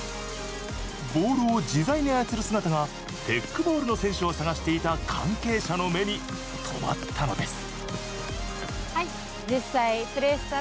ボールを自在に操る姿がテックボールの選手を探していた関係者の目に留まったのです。